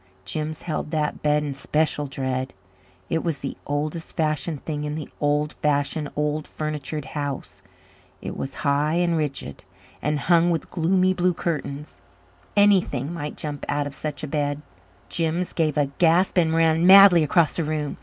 Jims held that bed in special dread. It was the oldest fashioned thing in the old fashioned, old furnitured house. It was high and rigid, and hung with gloomy blue curtains. Anything might jump out of such a bed. Jims gave a gasp and ran madly across the room.